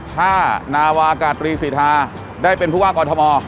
ถ้านาวากาศตรีศีรษฐาได้เป็นผู้ว่ากรธมอศ์